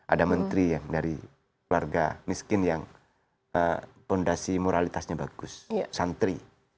ada menteri yang dari keluarga miskin yang fondasi moralitasnya bagus santri